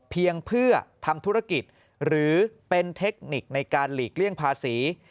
เพียงเพื่อทำธุรกิจหรือเป็นเทคนิคในการหลีกเลี่ยงภาษี